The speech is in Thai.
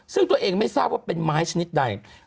ซึ่งตัวเองไม่ทราบว่าเป็นไม้ชนิดใด